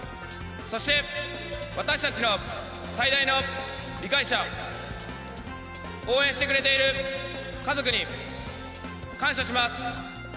そして、私たちの最大の理解者、応援してくれている家族に感謝します。